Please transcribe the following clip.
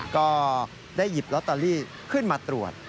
ก็ได้หยิบลอตเตอรี่ขึ้นมาตรวจ